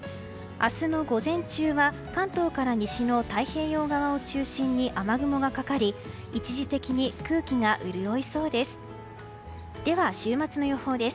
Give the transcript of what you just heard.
明日の午前中は関東から西の太平洋側を中心に雨雲がかかり一時的に空気が潤いそうです。